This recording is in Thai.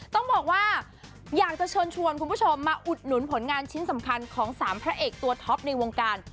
ต้องบอกว่าอยากจะเชิญชวนคุณผู้ชมมาอุดหนุนผลงานชิ้นสำคัญของสามพระเอกตัวท็อปในวงการ